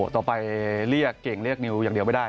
ต่อไปเรียกเก่งเรียกนิวอย่างเดียวไม่ได้